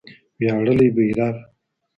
ویاړلی بیرغ